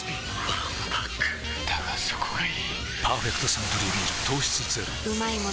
わんぱくだがそこがいい「パーフェクトサントリービール糖質ゼロ」